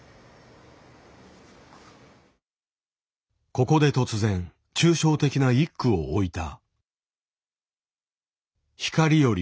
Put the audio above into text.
ここで突然抽象的な１句を置いた。